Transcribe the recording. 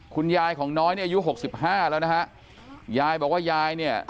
คุณยายของน้อยเนี่ยอายุหกสิบห้าแล้วนะฮะยายบอกว่ายายเนี่ย